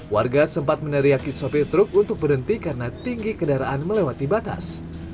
warga sempat meneriaki sopir truk untuk berhenti karena tinggi kendaraan melewati batas